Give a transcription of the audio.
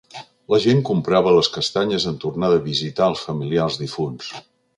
La gent comprava les castanyes en tornar de visitar els familiars difunts.